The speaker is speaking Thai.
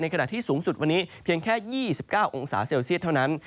ขณะที่สูงสุดวันนี้เพียงแค่๒๙องศาเซลเซียตเท่านั้น